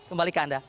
kembali ke anda